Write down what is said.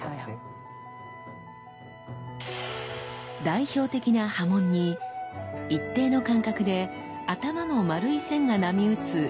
代表的な刃文に一定の間隔で頭の丸い線が波打つ